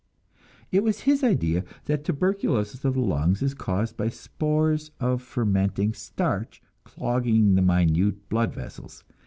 It was his idea that tuberculosis of the lungs is caused by spores of fermenting starch clogging the minute blood vessels.